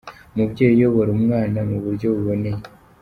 Umubyeyi uyobora umwana mu buryo buboneye.